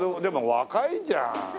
でも若いじゃん。